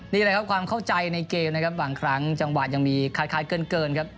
นี่แหละครับความเข้าใจในเกมนะครับบางครั้งจังหวะยังมีขาดเกินครับ